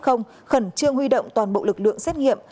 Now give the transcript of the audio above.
khẩn trương huy động toàn bộ lực lượng xét nghiệm